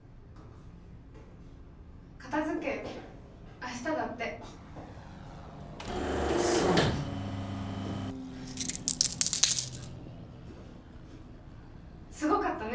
明日だってそうなんだすごかったね